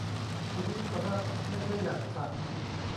ชีวิตรักไม่ใช่อย่างฝัน